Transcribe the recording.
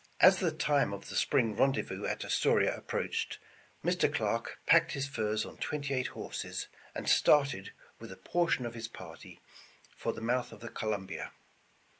As the time of the spring rendezvous at Astoria ap proached, Mr. Clarke packed his furs on twenty eight horses, and started with a portion of his party for the mouth of the Columbia.